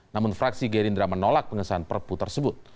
namun fraksi gerindra menolak pengesahan perpu tersebut